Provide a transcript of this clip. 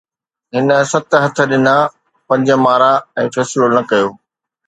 هن ست هٽ ڏنا، پنج مارا ۽ فيصلو نه ڪيو